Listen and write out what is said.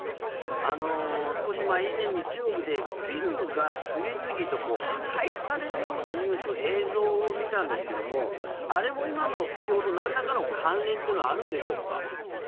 少し以前に中国でビルが次々と破壊されるようなニュース映像を見たんですけどもあれも今の不況となんらかの関連というのはあるんでしょうか？